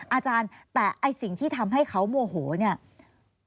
อาจารย์แต่ไอ้สิ่งที่ทำให้เขาโมโหเนี่ย